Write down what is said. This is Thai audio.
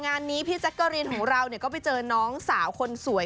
งานนี้พี่แจ๊กกะรีนของเราก็ไปเจอน้องสาวคนสวย